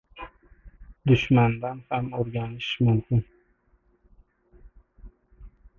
Dushmandan ham o‘rganish mumkin.